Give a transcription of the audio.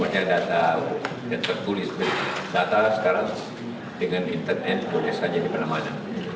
banyak data yang tertulis data sekarang dengan internet boleh saja di mana mana